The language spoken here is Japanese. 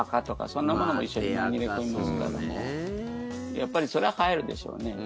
やっぱりそりゃ生えるでしょうね。